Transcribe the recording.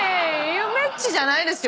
ゆめっちじゃないです。